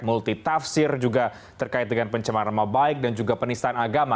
multitafsir juga terkait dengan pencemaran maha baik dan juga penistaan agama